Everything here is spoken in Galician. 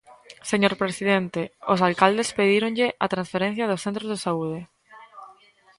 Señor presidente, os alcaldes pedíronlle a transferencia dos centros de saúde.